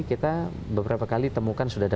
kita beberapa kali temukan sudah ada